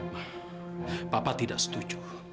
ma papa tidak setuju